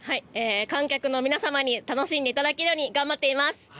観客の皆様に楽しんでいただけるように頑張っています。